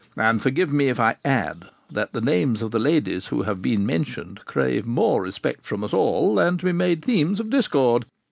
And forgive me if I add, that the names of the ladies who have been mentioned crave more respect from us all than to be made themes of discord.'